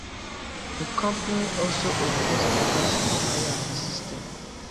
The company also operates a Bicycle hire system.